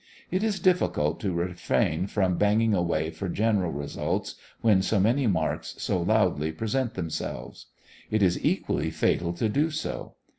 It is difficult to refrain from banging away for general results when so many marks so loudly present themselves. It is equally fatal to do so.